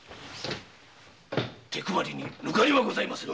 手配りに抜かりはございませぬ。